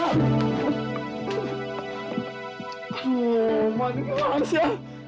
aduh mak ini kelas ya